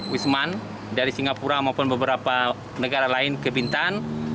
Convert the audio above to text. wisman dari singapura maupun beberapa negara lain ke bintan